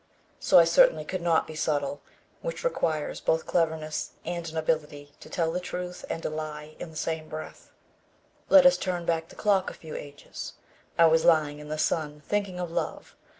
So I certainly could not be subtle, which requires both cleverness and an ability to tell the truth and a lie in the same breath. Let us turn back the clock a few ages. I was lying in the sun thinking of love.